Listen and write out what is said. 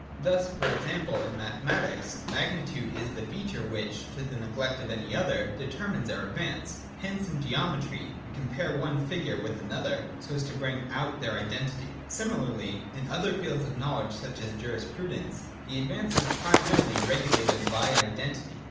Thus, for example, in mathematics magnitude is the feature which, to the neglect of any other, determines our advance. Hence in geometry we compare one figure with another, so as to bring out their identity. Similarly in other fields of knowledge, such as jiarisprudence, the advance is primarily regulated by identity.